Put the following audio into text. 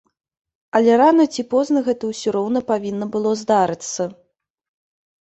Але рана ці позна гэта ўсё роўна павінна было здарыцца.